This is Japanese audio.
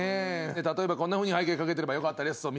例えばこんなふうに背景描けてればよかったですと。